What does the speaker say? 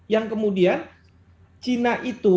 yang kemudian china itu